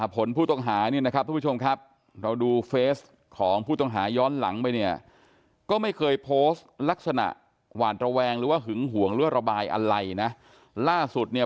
เพราะว่าหนูก็ไม่กล้าตัดสินใจเองเพราะว่าเรื่องแบบยังไง